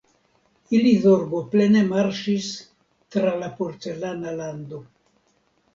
Ili zorgoplene marŝis tra la porcelana lando.